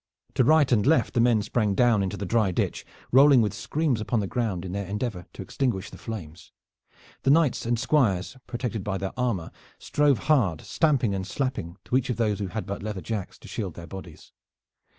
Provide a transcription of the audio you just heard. To right and left the men sprang down into the dry ditch, rolling with screams upon the ground in their endeavor to extinguish the flames. The knights and squires protected by their armor strove hard, stamping and slapping, to help those who had but leather jacks to shield their bodies.